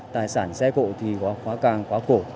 tài sản xe cộ thì khóa càng khóa cổ